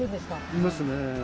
いますね。